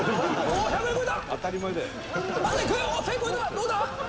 どうだ？